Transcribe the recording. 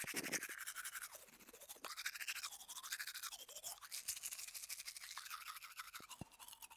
"I'll Be Stronger" was the first song Utada wrote.